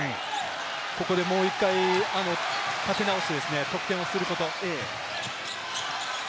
ここでもう１回立て直して得点すること。